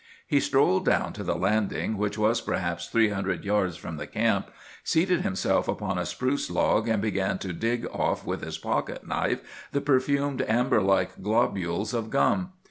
"He strolled down to the landing, which was perhaps three hundred yards from the camp, seated himself upon a spruce log, and began to dig off with his pocket knife the perfumed amber like globules of gum.